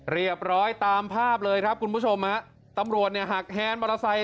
เรียบร้อยตามภาพเลยครับคุณผู้ชมฮะตำรวจเนี่ยหักแฮนมอเตอร์ไซค